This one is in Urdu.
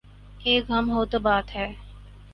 ایک غم ہو تو بات ہے۔